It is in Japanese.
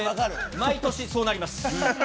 毎年、そうなります。